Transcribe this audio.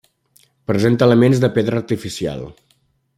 Presenta elements de pedra artificial.